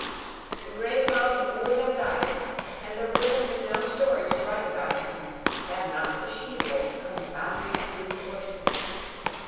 The grey cub would have died, and there would have been no story to write about him, had not the she wolf come bounding through the bushes.